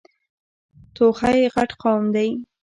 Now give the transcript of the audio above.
توخی غټ قوم ده.